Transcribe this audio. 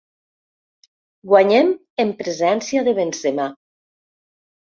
Guanyem en presència de Benzema.